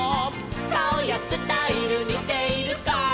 「かおやスタイルにているか」